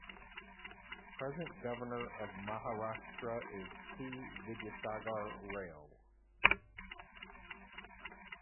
Present governor of Maharashtra is C. Vidyasagar Rao.